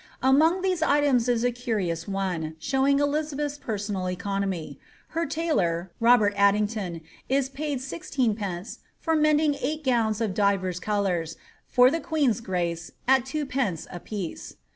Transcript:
Among these items is a curious one, showing Elizabeth's personal economy; her tailor, Robert Addington, is paid sixteenpence ^ for mending eight gowns of dirers colours, for the queen's grace, at 2d. a piece."